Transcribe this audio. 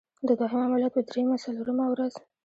د دوهم عملیات په دریمه څلورمه ورځ.